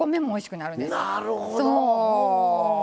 なるほど。